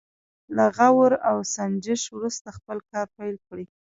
له غور او سنجش وروسته خپل کار پيل کړي.